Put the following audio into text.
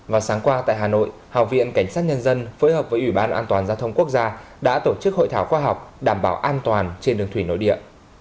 và sáng qua tại hà nội học viện cảnh sát nhân dân phối hợp với ủy ban an toàn giao thông quốc gia đã tổ chức hội thảo khoa học đảm bảo an toàn trên đường thủy nội địa